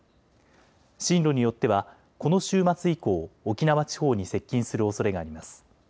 進路によってはこの週末以降、沖縄地方に接近するおそれがあります。